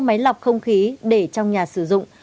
máy lọc không khí để trong nhà sử dụng